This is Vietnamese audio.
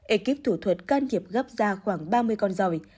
ekip thủ thuật can thiệp gấp da khoảng ba mươi con dòi